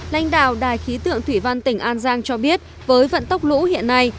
lãnh đạo đài khí tượng thủy văn tỉnh an giang cho biết với vận tốc lũ hiện nay